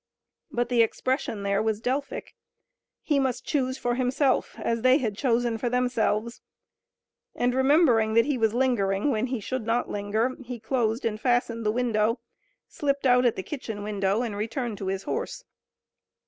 But the expression there was Delphic. He must choose for himself, as they had chosen for themselves, and remembering that he was lingering, when he should not linger, he closed and fastened the window, slipped out at the kitchen window and returned to his horse.